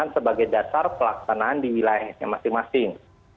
sebagai dasar pelaksanaan di wilayahnya masing masing